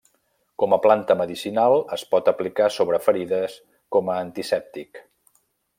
Com a planta medicinal es pot aplicar sobre ferides com a antisèptic.